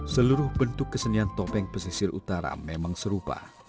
seluruh bentuk kesenian topeng pesisir utara memang serupa